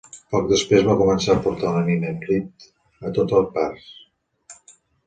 Poc després, va començar a portar una nina Blythe a totes parts.